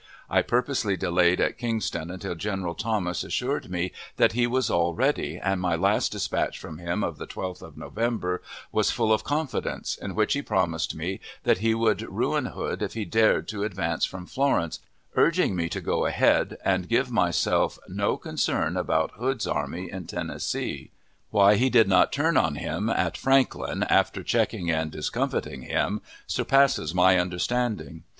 I purposely delayed at Kingston until General Thomas assured me that he was all ready, and my last dispatch from him of the 12th of November was full of confidence, in which he promised me that he would ruin Hood if he dared to advance from Florence, urging me to go ahead, and give myself no concern about Hood's army in Tennessee. Why he did not turn on him at Franklin, after checking and discomfiting him, surpasses my understanding.